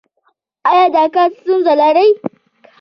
ایا د کار ستونزې لرئ؟